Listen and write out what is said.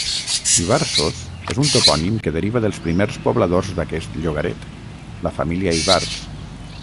Ivarsos és un topònim que deriva dels primers pobladors d'aquest llogaret, la família Ivars.